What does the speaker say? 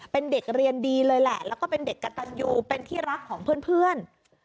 เป็นเด็กเรียนดีเลยแหละแล้วก็เป็นเด็กกระตันยูเป็นที่รักของเพื่อน